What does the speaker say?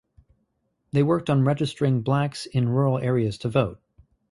They worked on registering blacks in rural areas to vote.